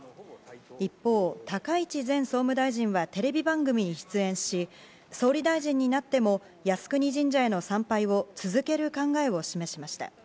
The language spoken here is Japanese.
一方、高市前総務大臣はテレビ番組に出演し総理大臣になっても靖国神社への参拝を続ける考えを示しました。